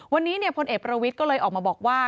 วันนี้พลเอกประวิทย์ก็เลยออกมาบอกว่า